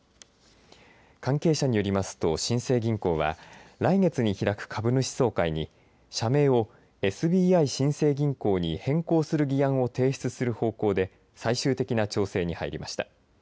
関係者によりますと、新生銀行は来月に開く株主総会に社名をＳＢＩ新生銀行に変更する議案を提出する方向で最終的な調整に入りました。